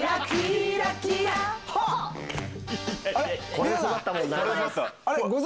これで育ったもんな。